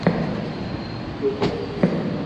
ڪوڙو ڀگت ھي